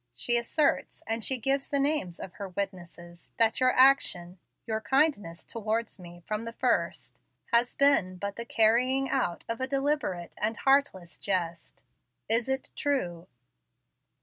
She asserts, and she gives the names of her witnesses, that your action your kindness towards me from the first has been but the carrying out of a deliberate and heartless jest. Is it true?"